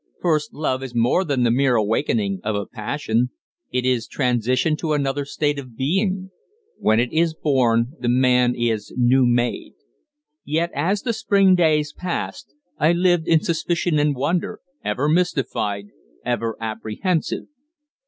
First love is more than the mere awakening of a passion: it is transition to another state of being. When it is born the man is new made. Yet, as the spring days passed, I lived in suspicion and wonder, ever mystified, ever apprehensive.